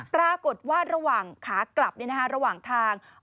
ปรากฏว่าระหว่างขากลับระหว่างทาง